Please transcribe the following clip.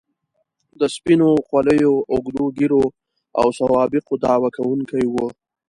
د سپینو خولیو، اوږدو ږیرو او سوابقو دعوه کوونکي وو.